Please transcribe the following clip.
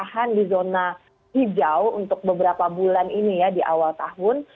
lahan di zona hijau untuk beberapa bulan ini ya di awal tahun